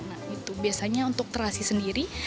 nah itu biasanya untuk terasi sendiri